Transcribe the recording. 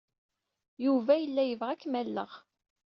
Yuba yella yebɣa ad kem-alleɣ.